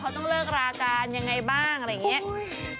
เขาต้องเลิกราการยังไงบ้างอะไรอย่างนี้